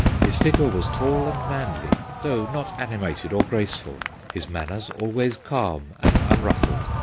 His figure was tall and manly, though not animated or graceful ; his manners always calm and unruffled.